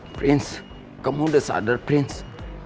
prince kamu udah sadar prince